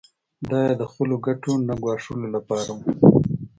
دا یې د خپلو ګټو نه ګواښلو لپاره و.